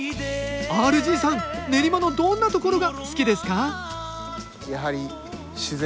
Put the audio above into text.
練馬のどんなところが好きですか？